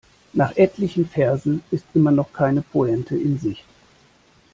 Nach etlichen Versen ist immer noch keine Pointe in Sicht.